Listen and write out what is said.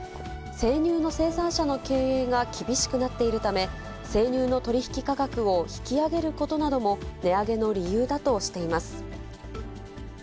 生乳の生産者の経営が厳しくなっているため、生乳の取り引き価格を引き上げることなども値上げの理由だとしています。